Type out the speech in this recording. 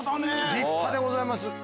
立派でございます。